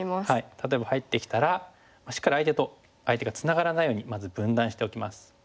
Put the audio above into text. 例えば入ってきたらしっかり相手と相手がツナがらないようにまず分断しておきます。